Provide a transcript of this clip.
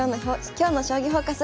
今日の「将棋フォーカス」